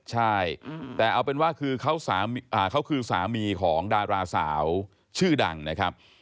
ใช่แต่เอาเป็นว่าคือเขาคือสามีของดาราสาวชื่อดังนะครับ